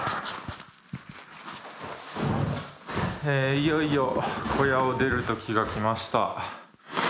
いよいよ小屋を出るときが来ました。